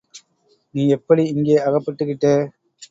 நீ எப்படி இங்கே அகப்பட்டுக்கிட்டே?